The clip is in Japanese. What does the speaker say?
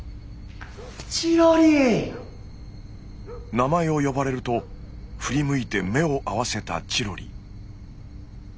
名前を呼ばれると振り向いて目を合わせたチロリ。